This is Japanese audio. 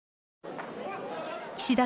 岸田